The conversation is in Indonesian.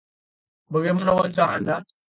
Bagaimana wawancara Anda?